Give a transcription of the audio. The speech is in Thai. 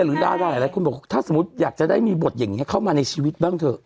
ดาราหลายคนบอกถ้าสมมุติอยากจะได้มีบทอย่างนี้เข้ามาในชีวิตบ้างเถอะ